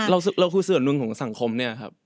เราคือส่วนหนึ่งของสังคมเนี่ยครับ